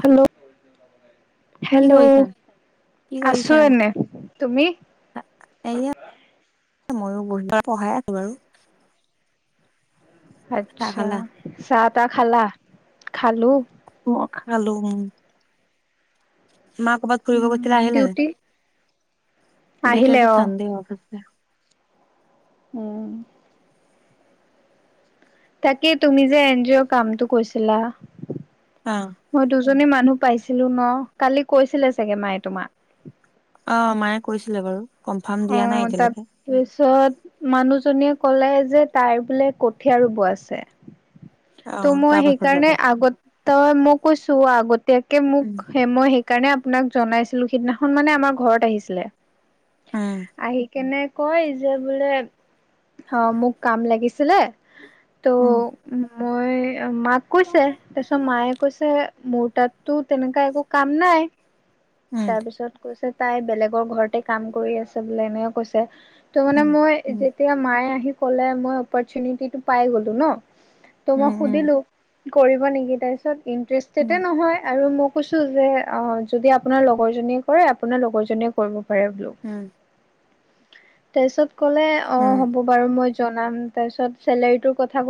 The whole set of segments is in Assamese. হেল্ল' কি হেল্ল'। কৰিছা? কি আছো কৰিছা? এনে তুমি। এইয়া ময়ো বহুতবাৰ পঢ়াই আছো বাৰু। চাহ আচ্ছা খালা? চাতা খালা। খালো উম খালো। মা কৰবাত ফুৰিব উম গৈছিলে আহিলে ডিউটি যেতিয়া আজি চানদে অ আছে। উ। তাকেই তুমি যে এন জি অৰ কামটো কৰিছিলা অ', মই দুজনী মানুহ। পাইছিলো ন কালি কৈছিলে চাগে মায়ে তোমাক। অ মায়ে কৈছিলে বাৰু। কনফাৰ্ম অ দিয়া নাই এতিয়ালৈকে। তাৰপিছত। মানুহজনীয়ে ক'লে যে তাই বোলে কঠীয়া ৰুব আছে। ত' অ', মই তাৰ পাছত যাব। সেইকাৰণে আগত মই কৈছো আগতীয়াকে উম, মোক মই সেইকাৰণে। আপোনাক জনাইছিলো সিদিনাখন মানে আমাৰ ঘৰত আহিছিলে উম, আহি কেনে। কয় যে বোলে অ মোক কাম লাগিছিলে। ত' উম। মই মাক কৈছে তাৰ পিছত মায়ে কৈছে মোৰ তাততো তেনেকা একো কাম নাই। উম, তাৰ পিছত কৈছে তাই বেলেগৰ ঘৰতে কাম কৰি আছে বুলি এনেও কৈছে। ত মানে উম, মই যেতিয়া মায়ে আহি কলে মই অপৰচুনিটিটো পাই গলো ন। ত উম, উম, মই সুধিলোঁ ইন্টাৰেষ্টেড উম, নহয় আৰু মোক। কৈছো যে অ যদি আপোনাৰ লগৰ জনীয়ে কৰে আপোনাৰ লগৰ জনীয়ে কৰিব। উম, তাৰিছত কলে অ উম, হ'ব বাৰু মই। জনাম তাৰ পিছত চেলাই কথা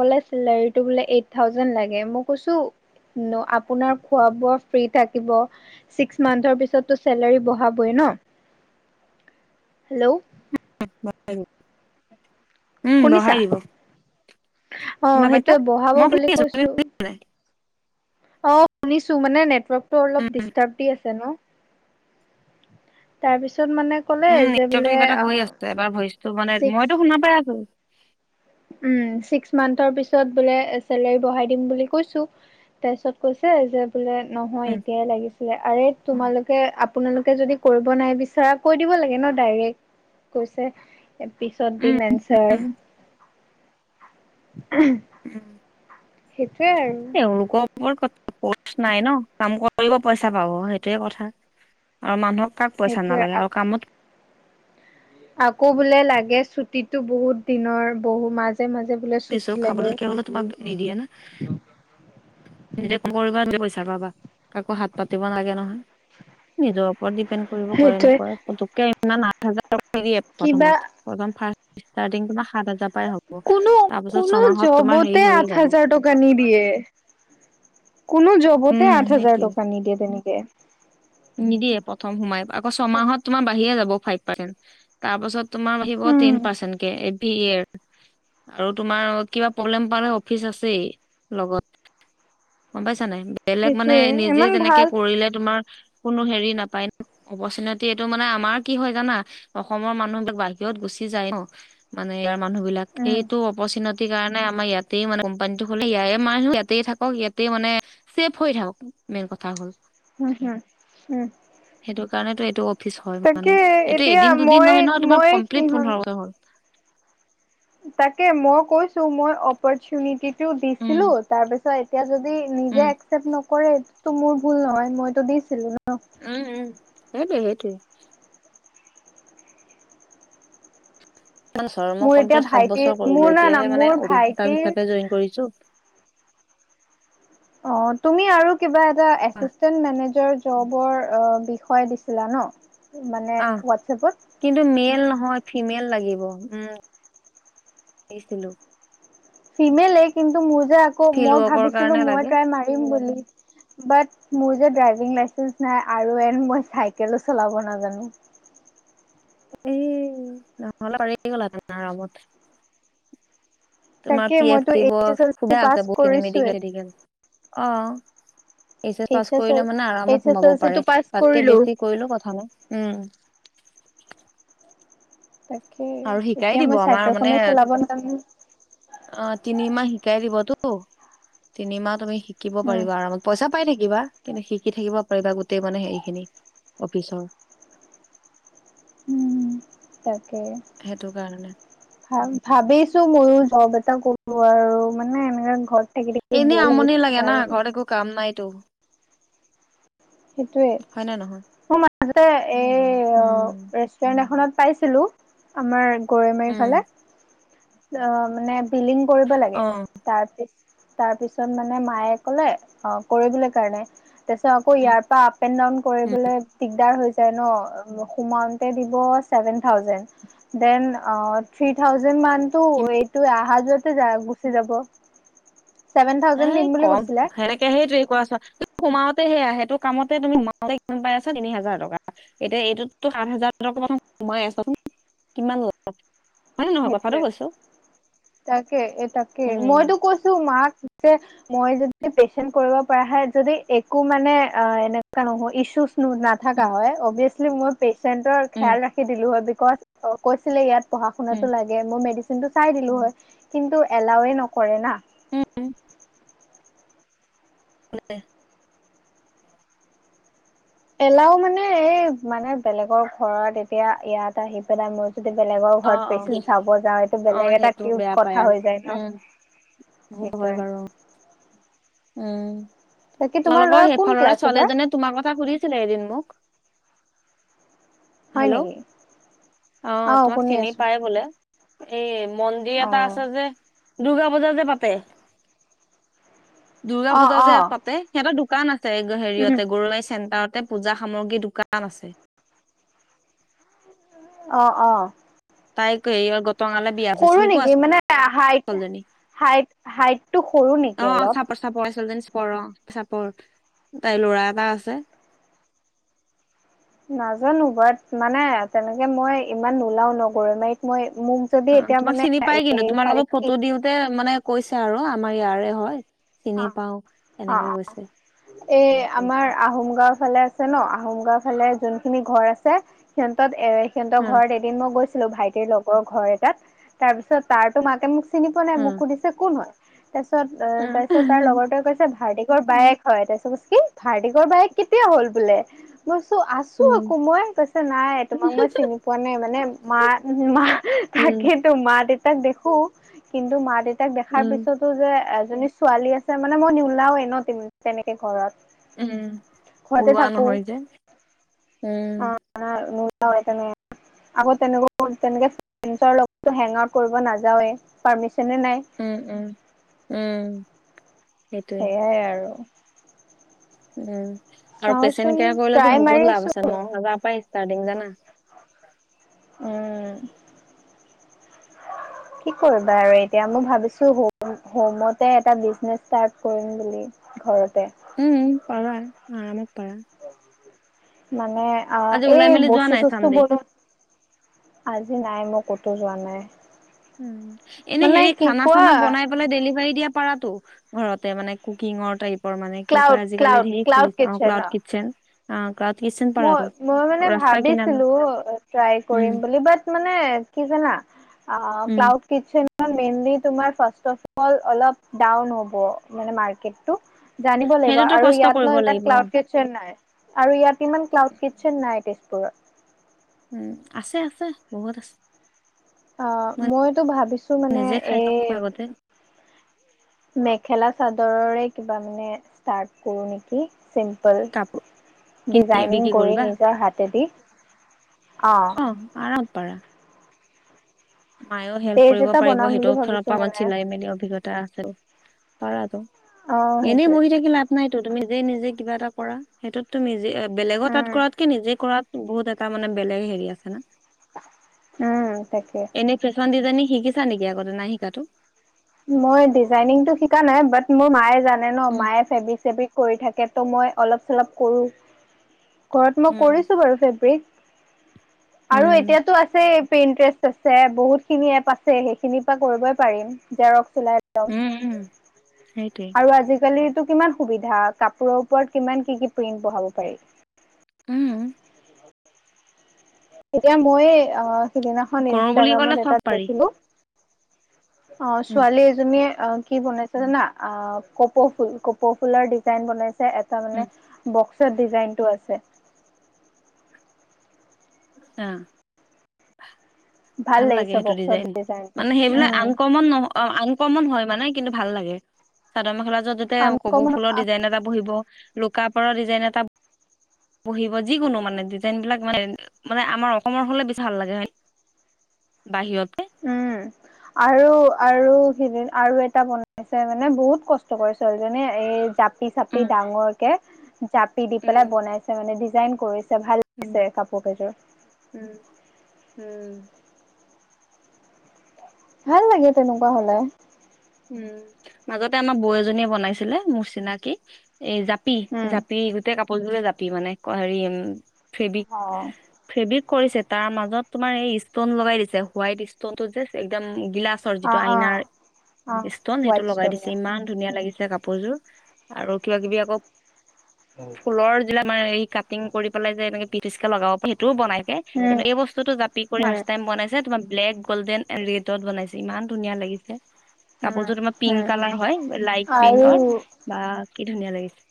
এই থাউজেন লাগে মই কৈছো। আপোনাৰ খোৱা বোৱা ফ্ৰী থাকিব ছিক্স মান্থৰ পিছতো চেলাৰী ব়াবইে ন। হেল্ল'। উম শুনিছা বঢ়াই দিব। অ শুনা পাইছা? সেইটোয়ে বঢ়াব মই বুলি শুনি আছো। তুমি কৈছো। অ শুনিছো মানে নেটৰ্কটো অলপ উম, ডষ্টাৰ দি আছে ন। তাৰ পিছত মানে কলে যে বোলে অ। ত মানে ছিক্স মইতো শুনা পাই আছো। উম চিক্স মামাৰ পৰা মানে চেলেৰু বঢ়াই দিম বুলি কইছো। তাৰপিছত কৈছে যে বোলে নহয় উম, এতিয়াই লাগিছিলে আৰে। তোমালোকে আপোনালোকে যদি কৰিব নাই বিচাৰ কৈ দিব লাগে ন ডাইৰেক্ট। কৈছে পিছত দি উম, মেনচাৰ। উম, [unintelligible] সেইটোৱে আৰু। এওঁলোকৰ কথা। পষ্ট নাই ন কাম কৰিব পইচা পাব সেইটোৱে কথা আৰু মানুহক। কাক পইচা সেইটোৱে নালাগে আৰু কামত। আকৌ বোলে লাগে ছুটি বহুত দিনৰ বহু মাজ। মাজে মাজে বোলে দিছো ছুটি লাগে। খাবলৈকে হলে তোমাক নিদিয়ে না নিজে ক কৰিব নিজ পইচা পাবা কাকো হাত পাতিব লাগে নহয় নিজৰ। ওপৰত ডপেণ্ড কৰিব প সেইটোৱে নপৰে পটে ইমান আঠ হাৰ কিবা প্ৰথ প্ৰথ ফ্ষ। ষ্টাৰ্টিং তোমাৰ। সাত হাজাৰ পৰাই হ'ব কোনো তাৰ পাছত কোনো ছমাহত তোমাৰ জবতে হেৰি হৈয়ে আঠ যাব। হাজাৰ টকা নিদিয়ে। কোনো জবতে উম আঠ হাজাৰ সেইটোয়ে টকা নি দিয়ে তেনেকে। নিদিয়ে প্ৰথম সোমাই আকৌ ছমাহত তোমাৰ বাহিে যাব ফাইভ পাৰ্চেন্ট তাৰ পাছত। তোমাৰ আহিব তিন উম। পাৰ্চেট কে। ৰ আৰু তোমাৰ কিবা প্ৰব্লেম পালে অফিচ আছেই লগত। গম পাইছা নাই বেলেগ মানে সেইটোয়ে নিজে ইমান যেনেকে ভাল কৰিলে তোমাৰ। কোনো হেৰি নাপায় ন অপৰচুনিটি এইটো মানে আমাৰ কি হয় জানা অসমৰ মানুহবিলাক বাহিৰত গুচি। মানে ইয়াৰ মানুহ বিলাক উম সেইটো অপচিনত সেই কাৰণে আমাৰ ইয়াতেই মানে কো্পানীতটো হলে ইয় মানহ ইয়াতেই থাকক ইয়াতেই মানে চছেফ হৈ থাকক মেইন কথা হ'ল উম হম উম কাৰণো এইটো অফিচ হয় মানে তাকে এইটো এতিয়া এদিন দুদিন মই নহয় ন তোমাৰ মই কমপ্লিট সিহত পোন্ধৰকৈ হ'ল তাকে মই কৈছো মই অপৰচুটি উম দিছিলো তাৰ পিছত এতিয়া যদি উম নিজে একচেপট ন কৰে এইটো মোৰ ভুল নহয় মইতো দিছিলো ন সেইট সেইটোৱে মই মোৰ এতিয়া কম্লিট সাত ভাইটিৰ বছৰ মোৰ কৰিলো না না এতিয়াহে মানে মোৰ অ ভাইটিৰ হিচাপে জইন কৰিছো অ তুমি আৰু কিবা এটা আহ এিে মে ষ্ট'ভৰ বিষয় দিছিলা ন মানে আহ হোৱাটছএপত কিন্তু মেল নহয় ফিমেল লাগিব উছিলো ফিমেলে কিন্তু মোৰ যে আকৌ মই ৱৰ্কৰ ভাবিছিলো কাৰণে মই লাগে তাই মাৰিম বুলি বাট মোৰ যে ড্ৰাইভিং লাইচেন্ঞ্চ নাই আৰু এন মই চাইকেলো চলাব নাজানো এই নহ'লে পাৰি গলা লগত তোমাৰ তাকে পি এফ মইতো দিব এইচ এছ এল চি সুধা আ পাছ বহুতখিনি কৰিছোৱে মেডিকেল অ H S pass S L কৰিলে মানে আৰামত এইচ এছ সোমাব এল চি টো পাৰে পাছ বাককে কৰিলো বেছি কৰিলেো কথা নাই উম তাকেই আৰু শিকাই এতিয়া দিব মই আমাৰ চাইকেল মানে খনে চলাব নামি অ তিনিমাহ শিকাই দিবতো তিনিমাহ তুমি শিকিব পাৰিবা আৰামত পইচা পাই থাকিব। শিকিবা কিন্তু শিকি থাকিব পাৰিবা গোটেই মানে হে খিনি অফিচৰ উম ভ সেইটো কাৰণে ভাবিছো ময়ো য এটা কৰো আৰু মানে এনেকে ঘৰত থাকি থাকি এনেই বৌ আমনি লাগে লাগিছে না আৰু ঘৰত একো কাম নাইতো হয় সেইটোৱে নে নহয় মোৰ এই উম ৰেষ্টুৰেণ্ট এখনত পাইছিলোঁ আমাৰ গৈ মাৰি ফালে উম অ মানে বিলিং কৰিব লাগে অ তাৰপিছত তাৰ পিছত মানে মায়ে কলে অ কৰিবলৈ কাৰণে তাৰপিছত আকৌ উম ইয়াৰ বা আপ এণ্ড ডাউন উম কৰিবলৈ দিগদাৰ হৈছে। [inaudible] যে মানুতটো এইটো অ যোৱাতে য গুচি যাব ছেভেন এ থাউজেণ্ড দিম বুলি কম কৈছিলে সেনেকে সেই তে কোৱাছ সোমাওতে সেয়া সেইটো কামতে তুমিমাওঁতে কিমান পাই আছা তিনি হাজাৰ টকা এতিয়া এইটোতো সাত হাজাৰ ট সোমাই আছোন কিমান ল সেইটোৱে তাকে তাকে মইতো উম কৈছো মাক মই যদি পেচণ্ট কৰিব পৰা হে যদি একো মানে অ এনেকুৱা নহয় ইছু নাথাককা উম হয় অভিয়াচলি মই পেচেণ্টৰ খেয়াল উম ৰাখি দিলো হয়। কৈছিলে ইয়াত পঢা শুন ল ম ম যন্তটো চাই দিলো হয় কিন্তু এলাওে নকৰে না। উম। হয় এলাও মানে এই মানে বেলেগৰ ঘৰত এতিয়া ইয়াত আহি পেলাই মোৰ যদি বেলেগৰ অ ঘৰত অ পেচেণ্ চাব যাওঁ সটো অ বেলেগ এটাউ কথা হৈ যায় ন। বহত হয় সেইটোয়ে বাৰু উম বাকী তোমাৰ তোমালোকৰ ল'ৰা কোন সেইফালৰে ক্লাছ এইবাৰ ছোৱালীজনীয়ে তোমাৰ কথা সুধিছিলে এদিন মুখ হয় হেল্ল' নেকি অ তোমাক শুনি চিনি আছো পায় বোলে? এই মন্দিৰ এটা অ', আছে যে দুূৰ্গা পূজা যে পাতে দুৰ্গা অ', পূজা যে অ', পাতে সিহঁতৰ দোকান আছে উম, হেৰিয়তে গৰুৱাই চেণ্টাৰত ততে পূজা সামগ্ৰী দোকান আছে অ অ তাইক হেৰি গটঙালে বিয়া আছে সৰু চিনি পোৱা? নেকি আছো মানে হাইট ছালজনী হাইট হাইটটো সৰু নেকি অলপ পৰ চাপল তাইৰ লৰা এটা আছে নাজানো বাট মানে তেনেকে মই ইমান নোলাও ন গৰৈ মাৰীত মই মোক যদি অ এতিয়া তোমাক মানে চিনি পাই কিন্তু তোমাৰ এইফালে লগত কি ফটো দিওঁতে মানে কৈছে আৰু আমাৰ ইয়াৰে হয় চিনি অ', পাও এনেকে অ', কৈছে? এই আমাৰ আহোম গাঁওৰ ফালে আছে ন আহোম গাঁওৰ ফালে যোনখিনি ঘৰ আছে সিহঁতত এ সিহঁতৰ অ ঘৰত এদিন মই গৈছিলো ভাইটিৰ লগৰ ঘৰ এটাত তাৰ পিছত তাৰতো মাকে মোক চিনি পোৱা নাই অ মোক খুধছে কোন হয় তাৰপিছত অ তাৰপিছত তাৰ লগৰটোৱে কৈছে ভাৰ্ট বাইে হয় ত কি ভাৰ্টিকৰ বায়েক কেতিয়া হ'ল বোলে। আছো আছো উম আকৌ মই কৈছে নাই তোমাক মই চিনি পোৱা নাই মানে মা মা উম তাকেতো মা দেউতাক দেখো কিন্তু মা দেউতাক দেখাৰ উম পিছতো যে এজনী ছোৱালী আছে মানে মই নওলাও এ ন তেনেকে ঘৰত উম ঘৰতে ওলোৱা থাকো নহয় যে উম ন এটা ন [inaudible] উম উম উম সেইটোৱে সেইয়াই আৰু উম আৰু চাওচোন পেচেণ্ট কেয়াৰ কৰিলেতো ট্ৰাই মাৰি বহুত আছো লাভ আছে ন হাজাৰ পৰাই ষ্টাৰ্টিং জানা উম কি কৰিবা আৰু এতিয়া মই ভাবিছো হ হমতে এটা বিজনেচ ষ্টাৰট কৰিম বুলি ঘ উম পাৰা আৰামত পাৰা মানে মান অ আজি ওলাই এই মেলি যোৱা বস্তু নাই চস্তু ব চানডে আজি নাই মোক কতো যোৱা নাই উ এনে মানে হেৰি কি খানা কোৱা চানা বনাই পেলাই ডেলিভাৰী দিয়া। পাৰা টো ঘৰতে মানে কুকিঙৰ টাইপ মানে কি ক্লাউড কয় আজিকালি ক্লাউড ধেৰ ক্লাউড খুলিছে আহ কিটচেন ক্লাউ ন কিটচন মই মই মানে কিনাৰত ভাবিছিলো ট্ৰাই উম কৰিম বুলি বাট মানে কি জানা। অ উম ক্লাউড কিটচেন মেইনলি তমাৰ ফাৰ্ষ্ট অফ অল অলপ ডাউন হ'ব মানে মাৰ্কেটটো জানিব লাগিব সেইটোতো আৰু কষ্ট ইয়াত কৰিব ন ইমান লাগিব ক্লাউড কিটচেন নাই আৰু ইয়াত ইমান ক্লাউড কিটচন নাই তেজপুৰত উম আছে আছে বহুত আছে অ মই মইতো ভাবিছো মানে নিজে খাই এই চাইছো আগতে খেলা চাদৰৰে কিবা মানে ষ্টাৰ্ট কৰোঁ নেকি? চিম্পল কাপোৰ কিনি ডিজাইনিং বিক্ৰী কৰি কৰিবা নিজৰ হাতেদি অ আৰগ পাৰা মায়েও হেল্প পেজ কৰিব এটা পাৰিব বনাম বুলি সেইটোৰও ফৰৰ ভাবিছো পৰা আাক মানে চিলাই মেলি অভিজ্ঞতা আছে পাৰাতো অ এনেই সেইটোৱে বহি থাকি লাভ নাইতো তুমি যেই নিজে কিবা এটা কৰা সেইটোতো নিজে বেলেগৰ উম তাত কৰাতকে নিজে কৰাত বহুত এটা মানে বেলেগ হেৰি আছে না। উম তাকে এনেই ফেশ্বন ডিজাইনিং শিকিছা নেকি আগতে নাই শিকাটো মই ডিজাইনিং টো শিকা নাই বাট মোৰ মায়ে জানে ন উম মায়ে ফেব্ৰিক চেব্ৰিক কৰি থাকে তো মই অলপ চলপ কৰোঁ। ঘৰত মই উম কৰিছোঁ বাৰু ফেব্ৰিক। আৰু উম এতিয়াতো আছে ইন্টাৰেষ্ট আছে বহুত খিনি এপ আছে সেইখিনিৰ পৰা কৰিবই পাৰিম জেৰক্স। উম উম সেইটোৱে [unintelligible] আৰু আজিকালি টো কিমান সুবিধা, কাপোৰৰ ওপৰত কিমান কি কি প্ৰিন্ট বহাব পাৰি। উম। এতিয়া মই সিদিনাখন কৰো বুলি ক'লে ইনষ্টাগ্ৰামত চব এটা পাৰি দেখিলো অ উম ছোৱালী এজনীয়ে অ কি বনাইছে জানা অ কপৌ ফুল, কপৌ ফুলৰ ডিজাইন বনাইছে এটা উম মানে বক্সত ডিজাইনটো আছে। আহ ভাল লাগে লাগিছে সেইটো বক্সত ডিজাইন, ডিজাইনটো মানে সেইবিলাক উম আনকমন নহ আন কমন হয় মানে কিন্তু ভাল লাগে। চাদৰ মেখেলা যত যেতিয়া কব আনকমন ফুলৰ ডিজাইন এটা বহিব, লুকা পাৰ ডিজাইন এটা বহিব যিকোনো মানে ডিজাইন বিলাক মানে মানে আমাৰ অসমৰ হ'লে বেছি ভাল লাগে হয় বাহিৰত উম। আৰু আৰু সেইদ আৰু এটা বনাইছে মানে বহুত কষ্ট কৰি ছোৱালীজনীয়ে এই জাপি চাপি উম ডাঙৰকে চাপি দি পেলাই উম বনাইছে মানে, ডিজাইন কৰিছে ভাল উম লাগিছে কাপোৰ কেইযোৰ। [inaudible] উম উম। ভাল লাগে তেনেকুৱা হলে। উম মাজতে আমাৰ বৌ এজনীয়ে বনাইছিলে মোৰচিনাকি, এই জা জি উম জাপি গোটেই কাপোৰ জোৰে জাপি মানে হেৰি ফেবিক অ ফেবিক কৰিছে তাৰ মাজত তোমাৰ এই ষ্টন লগাই দিছে হোৱাইট ষ্টন টো একদম গিলাচৰ অ যিটো অ আইনাৰ অ ষ্টন সেইটো হোৱাইট লগাই ষ্টন দিছে ইমান ধুনীয়া উম লাগিছে কাপোৰযোৰ। আৰু কিবা কিবি আকৌ [unintelligible] ফুলৰ যিলাক মানে এই কাটিং কৰি পেলাই যে এনেকে পিটিচকে লগাব প সেইটোও বনাইকে, উম কিন্তু এই বস্তুতো [unintelligible] উম। ফাৰ্ষ্ট টাইম বনাইছে, তোমাৰ ব্লেক গল্ডেন এণ্ড ৰেডত বনাইছে ইমান ধুনীয়া লাগিছে। উম কাপোৰযোৰ তোমাৰ পিংক উম কালাৰ হয় লাইট আৰু পিংকৰ। আ ধুনীয়া লাগিছে।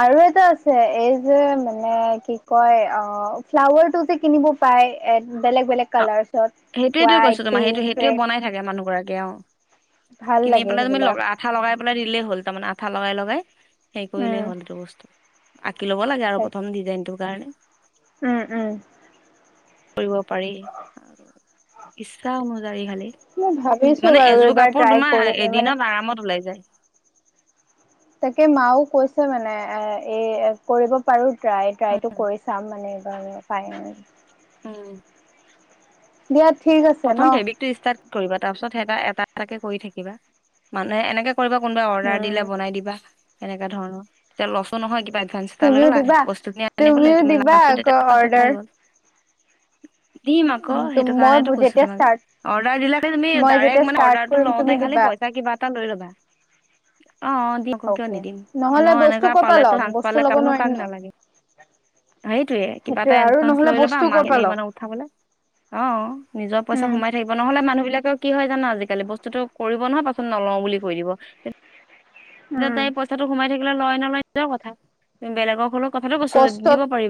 আৰু এটা আছে এই যে মানে কি কয় অ ফ্লাৱাৰটো যে কিনিব প পায় বেলেগ বেলেগ অ কালাৰ্চত সেইটোয়েতো কৈছো হোৱাইট তোমাৰ সেইটো পিংক সেইটোয়ে ৰেড বনাই থাকে মানুহ অ গৰাকীয়ে ভাল কিনি লাগে পেলাই তুমি লগ সেইবিলাক আঠা লগাই পেলাই দিলেই হ'ল তাৰমানে আঠা লগাই লগাই সেইৰি কৰিলেই উম হ'ল এইটো বস্তু। আঁকি ল'ব লাগে আৰু তাকে প্ৰথম ডিজাইনটোৰ কাৰণে। উম উম। কৰিব পাৰি, আৰু [inaudible] ইচ্ছা অনুযায়ী খালি মই ভাবিছো মানে বাৰু এযোৰ এইবাৰ কাপোৰ ট্ৰাই তোমাৰ কৰিম মানে এদিনত আৰামত ওলাই যায়। তাকে মাও কৈছে মানে এ এই কৰিব পাৰো ট্ৰাই ট্ৰাইটো কৰি চাম মানে এইবাৰ ফাইনেল। উম। বিয়াত প্ৰথম ফেব্ৰিকটো ষ্টাৰট কৰিবা, তাৰপিছত স এটা এটাকে কৰি থাকিবা। মানে এনেকে কৰিবা কোনোবা অৰ্ডাৰ উম দিলে বনাই দিবা, এনেকা ধৰণ এতিয়া লছো নহয় কিবা ফে এ তুমিও লৈলা দিবা বস্তুখিনি আনিবলৈ তুমিও তুমি দিবা লাভটো তেতি আকৌ পাছত অৰ্ডাৰ পাই গ'ল দিম আকৌ উ সেইটো কাৰণেতো। মই কৈছো যেতিয়া তোমাক, ষ্টাৰ্ট অৰ্ডাৰ দিলেে তুমি মই যেতিয়া ডাইৰেক্ট মানে ষ্টাৰ্ট অৰ্ডাৰটো কৰিম তুমি লওঁতে খালি দিবা পইচা কা এটা লৈ ল'বা। [unintelligible] অ অ, দিম আকৌ কিয় অকে নিদিম নহ'লে এনে বস্তু এনেকুৱা ক'ৰ পৰা ল'ম পালেতো সানস বস্তু পালে ল'ব কাৰোনো নোৱাৰিম কাক ন নালাগে। সেইটয়ে কিবা এটা সেইটোয়ে আৰু এনঞ্চ নহ'লে লৈ লবা বস্তু ক'ৰ মিন পৰা ল'ম মানে উঠাবলে অ। নিজৰ পইা উম সোমাই থাকিব নহলে মানুহ। কি হয় জানো আজিকালি বস্তুতটো কৰিব নহয় পাছত নলও বুলি কৈ দিব। তেতিয়া উম তাই পইচাটো সোমাই থাকিলে লয় নলয় নিজৰ কথা, বেলেগক হলেও কথাটো কৈছো কষ্টত দিব পাৰিবা।